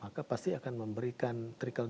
maka pasti akan memberikan trickle down efek ekonomi